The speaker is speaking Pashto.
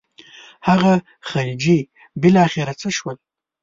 هغه خلجي بالاخره څه شول.